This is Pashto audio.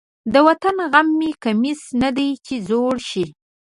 د وطن غم مې کمیس نه دی چې زوړ شي.